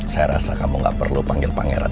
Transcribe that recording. saya rasa kamu gak perlu panggil pangeran